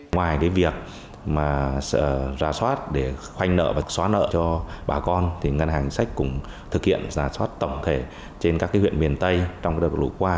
ngoài việc mà ra soát để khoanh nợ và xóa nợ cho bà con thì ngân hàng chính sách cũng thực hiện giả soát tổng thể trên các huyện miền tây trong đợt lũ qua